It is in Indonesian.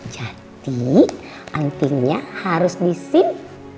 jadi antingnya harus di sini